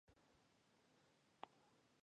په رښتنوني ویناوو خوشحاله شوم.